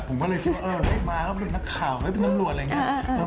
ผมก็เลยคิดว่าเออมาก็เป็นนักข่าวเป็นนำรวจอะไรอย่างเงี้ย